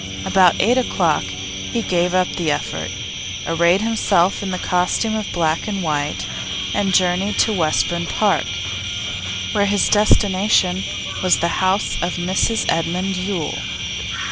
About eight o'clock he gave up the effort, arrayed himself in the costume of black and white, and journeyed to Westbourne Park, where his destination was the house of Mrs Edmund Yule.